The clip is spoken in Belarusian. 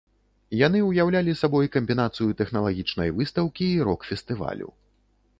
Яны ўяўлялі сабой камбінацыю тэхналагічнай выстаўкі і рок-фестывалю.